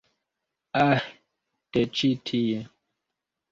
Ah de ĉi tie